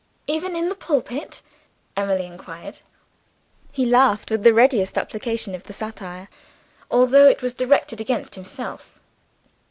"Even in the pulpit?" Emily inquired. He laughed with the readiest appreciation of the satire although it was directed against himself.